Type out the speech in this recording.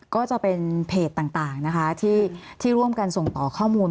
ก็จะเป็นเพจต่างนะคะที่ร่วมกันส่งต่อข้อมูล